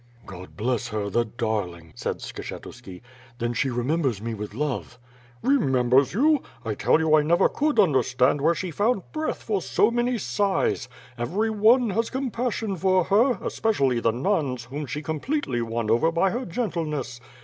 "God bless her, the darling!" said Skshetuski. "Then she remembers me with love?" "Remembers you? I tell you I never could understand where she found breath for so many sighs. Every one has compassion for her, especially the nuns, whom she completely won over by her gentleness.